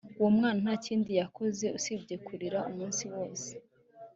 Uwo mwana nta kindi yakoze usibye kurira umunsi wose